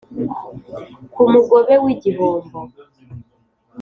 ku mugobe w’igihombo